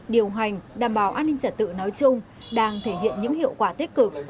điều hành đảm bảo an ninh trả tự nói chung đang thể hiện những hiệu quả tích cực